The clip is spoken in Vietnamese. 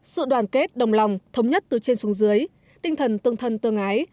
sự đoàn kết đồng lòng thống nhất từ trên xuống dưới tinh thần tương thân tương ái